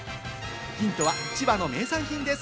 ヒントは千葉の名産品です。